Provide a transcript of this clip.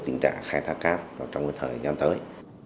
tình trạng khai thác cát trong thời gian tới